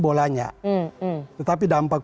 bolanya tetapi dampak